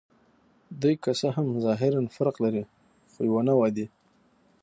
دوی که څه هم ظاهراً فرق لري، خو یوه نوعه دي.